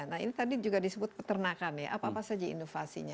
nah ini tadi juga disebut peternakan ya apa apa saja inovasinya